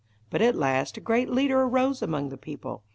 But at last a great leader arose among the people.